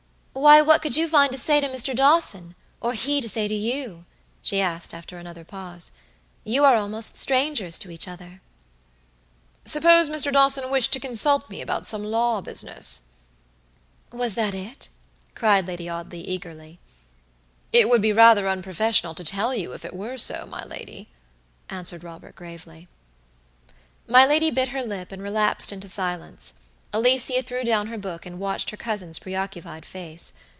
"Why, what could you find to say to Mr. Dawson, or he to say to you?" she asked, after another pause. "You are almost strangers to each other." "Suppose Mr. Dawson wished to consult me about some law business." "Was it that?" cried Lady Audley, eagerly. "It would be rather unprofessional to tell you if it were so, my lady," answered Robert, gravely. My lady bit her lip, and relapsed into silence. Alicia threw down her book, and watched her cousin's preoccupied face.